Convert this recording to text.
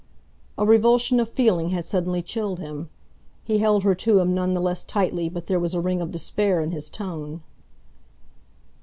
A revulsion of feeling had suddenly chilled him. He held her to him none the less tightly but there was a ring of despair in his tone.